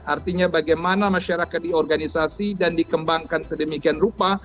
artinya bagaimana masyarakat diorganisasi dan dikembangkan sedemikian rupa